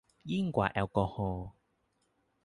ยิ่งกว่าแอลกอฮอล์